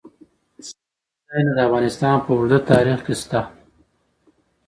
سیلاني ځایونه د افغانستان په اوږده تاریخ کې شته.